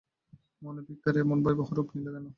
মনোবিকার এমন ভয়াবহ রূপ নিল কেন?